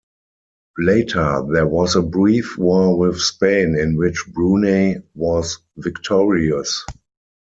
Later, there was a brief war with Spain, in which Brunei was victorious.